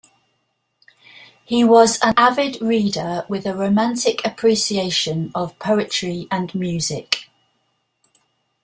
He was an avid reader with a romantic appreciation of poetry and music.